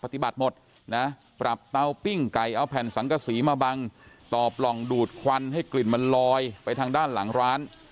เต้าปิ้งไก่เอาแผ่นสังกะสีมาบังตอบลองดูดควันให้กลิ่นมันลอยไปทางด้านหลังร้าน